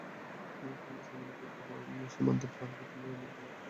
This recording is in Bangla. কংগ্রেস আমলে পূর্ব সীমান্তে প্রাণঘাতী নয়, এমন বুলেট ব্যবহার শুরু হয়।